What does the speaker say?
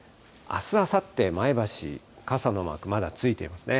あす、あさって、前橋、傘のマーク、まだついてますね。